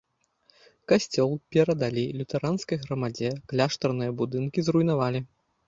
Касцёл перадалі лютэранскай грамадзе, кляштарныя будынкі зруйнавалі.